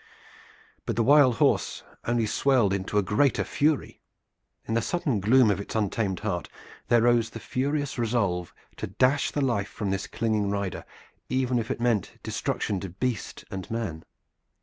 But the wild horse only swelled into a greater fury. In the sullen gloom of its untamed heart there rose the furious resolve to dash the life from this clinging rider, even if it meant destruction to beast and man.